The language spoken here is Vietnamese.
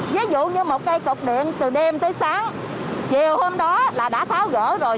ví dụ như một cây cột điện từ đêm tới sáng chiều hôm đó là đã tháo gỡ rồi